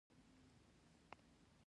ایا ستاسو ټیلیفون به ځواب شي؟